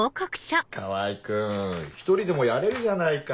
川合君１人でもやれるじゃないか。